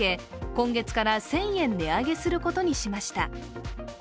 今月から１０００円値上げすることにしました。